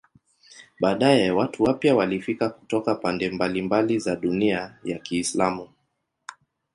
Baadaye watu wapya walifika kutoka pande mbalimbali za dunia ya Kiislamu.